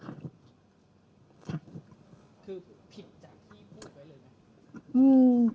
คือผิดจากที่พูดไว้เลยไหม